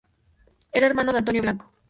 Era hermano de Antonio Blanco.